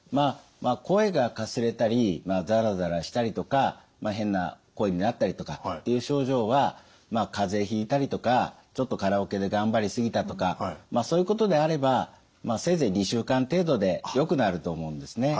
声がかすれたりザラザラしたりとか変な声になったりとかっていう症状はかぜひいたりとかちょっとカラオケで頑張り過ぎたとかまあそういうことであればせいぜい２週間程度でよくなると思うんですね。